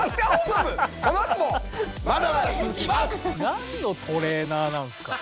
なんのトレーナーなんですか？